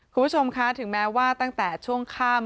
คุณผู้ชมคะถึงแม้ว่าตั้งแต่ช่วงค่ำ